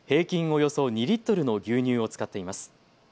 およそ２リットルの牛乳を使っています。